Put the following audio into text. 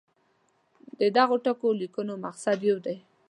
د دغو ټولو لیکنو مقصد یو دی.